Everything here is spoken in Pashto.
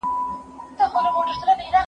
د داسي قوي شخصیت خاوند وو